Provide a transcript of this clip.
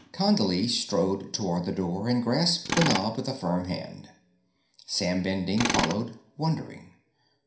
Condley strode toward the door and grasped the knob with a firm hand. Sam Bending followed, wondering.